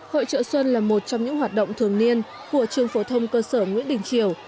hội trợ xuân là một trong những hoạt động thường niên của trường phổ thông cơ sở nguyễn đình triều